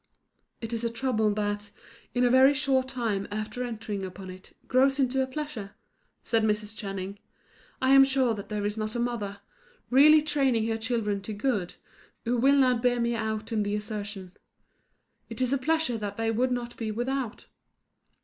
"It is a trouble that, in a very short time after entering upon it, grows into a pleasure," said Mrs. Channing. "I am sure that there is not a mother, really training her children to good, who will not bear me out in the assertion. It is a pleasure that they would not be without.